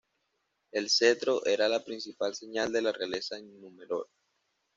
El cetro era la principal señal de la realeza en Númenor.